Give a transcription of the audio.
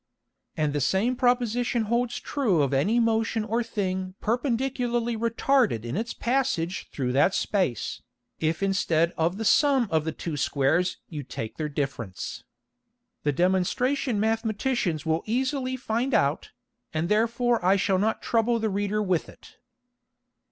And the same Proposition holds true of any Motion or Thing perpendicularly retarded in its passage through that space, if instead of the sum of the two Squares you take their difference. The Demonstration Mathematicians will easily find out, and therefore I shall not trouble the Reader with it.